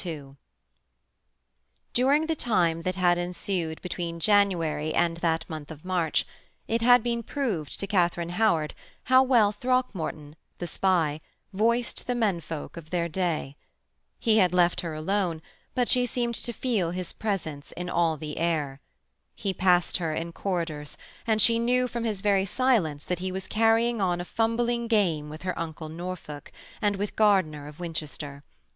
II During the time that had ensued between January and that month of March, it had been proved to Katharine Howard how well Throckmorton, the spy, voiced the men folk of their day. He had left her alone, but she seemed to feel his presence in all the air. He passed her in corridors, and she knew from his very silence that he was carrying on a fumbling game with her uncle Norfolk, and with Gardiner of Winchester.